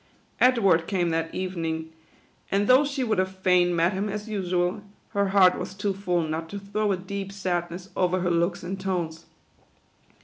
Edward came that evening, and though she would have fain met him as usual, her heart was too full not to throw a deep sad ness over her looks and tones.